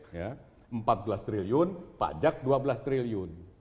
rp empat belas triliun pajak rp dua belas triliun